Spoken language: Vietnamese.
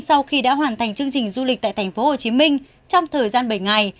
sau khi đã hoàn thành chương trình du lịch tại tp hcm trong thời gian bảy ngày